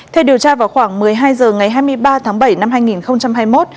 theo điều tra vào khoảng một mươi hai h ngày hai mươi ba tháng bảy năm hai nghìn hai mươi một